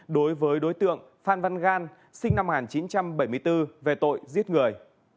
đối với đối tượng phan văn gan sinh năm một nghìn chín trăm bảy mươi bốn về tội giết người